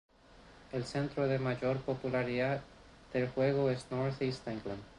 El centro de mayor popularidad del juego es North East England.